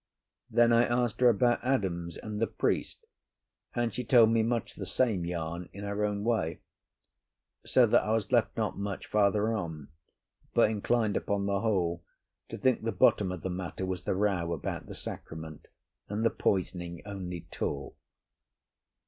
Then I asked her about Adams and the priest, and she told me much the same yarn in her own way. So that I was left not much farther on, but inclined, upon the whole, to think the bottom of the matter was the row about the sacrament, and the poisoning only talk.